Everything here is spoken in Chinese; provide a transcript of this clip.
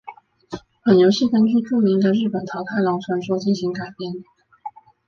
本游戏根据著名的日本桃太郎传说进行改编。